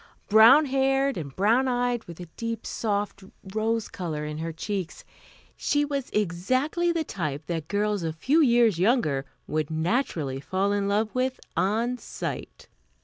Brown haired and brown eyed, with a deep, soft rose color in her cheeks, she was exactly the type that girls a few years younger would naturally fall in love with on sight.